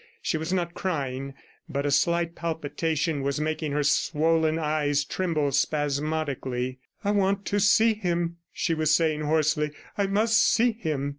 She was not crying, but a slight palpitation was making her swollen eyes tremble spasmodically. "I want to see him," she was saying hoarsely. "I must see him!"